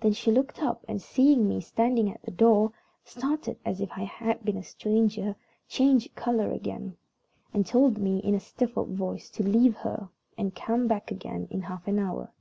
Then she looked up, and, seeing me standing at the door, started as if I had been a stranger, changed color again, and told me, in a stifled voice, to leave her and come back again in half an hour.